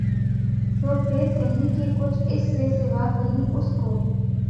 تو پھر کہیں کہ کچھ اِس سے سوا کہیں اُس کو